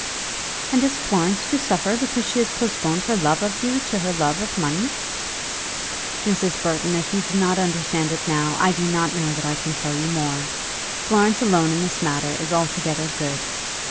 "And is Florence to suffer because she has postponed her love of you to her love of money?" "Mrs. Burton, if you do not understand it now, I do not know that I can tell you more. Florence alone in this matter is altogether good.